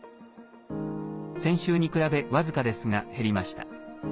先週に比べ僅かですが減りました。